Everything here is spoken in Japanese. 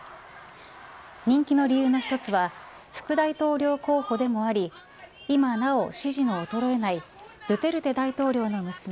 人気の理由の一つは副大統領候補でもあり今なお支持の衰えないドゥテルテ大統領の娘